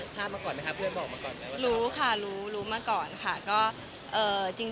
จริงแล้วในเพจเฟสบุ๊คอะไรอย่างเงี้ยค่ะ